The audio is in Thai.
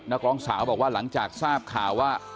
นักร้องสาวบอกว่าหลังจากทราบข่าวว่า